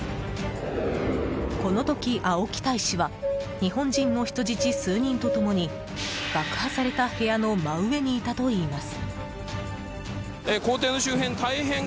この時、青木大使は日本人の人質数人と共に爆破された部屋の真上にいたといいます。